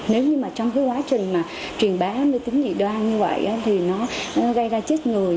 nếu như mà trong cái quá trình mà truyền bá mê tính dị đoan như vậy thì nó gây ra chết người